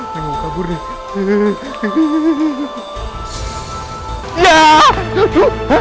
pengen kabur deh